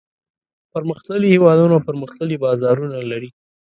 پرمختللي هېوادونه پرمختللي بازارونه لري.